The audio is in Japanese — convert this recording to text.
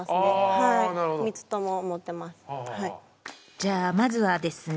じゃあまずはですね